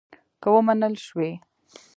که ومنل شوې.